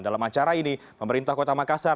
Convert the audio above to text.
dalam acara ini pemerintah kota makassar